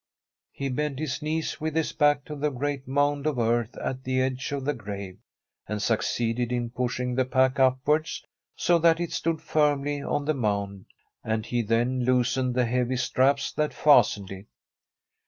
He bent his knees, with his back to the great mound of earth at the edge of the grave, and succeeded in pushing the pack upwards, so that it stood firmly on the mound, and he then loosened the heavy straps that fastened it.